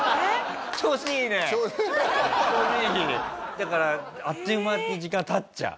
だからあっという間に時間経っちゃう。